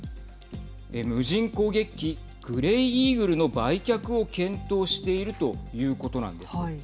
無人攻撃機グレイイーグルの売却を検討しているということなんです。